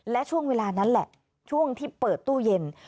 และช่วงเวลานั้นแหละช่วงที่เปิดตู้เย็น